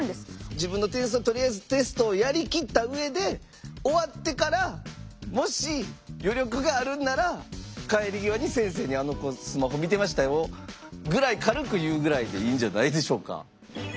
自分の点数をとりあえずテストをやりきった上で終わってからもし余力があるんなら帰り際に先生に「あの子スマホ見てましたよ」ぐらい軽く言うぐらいでいいんじゃないでしょうか。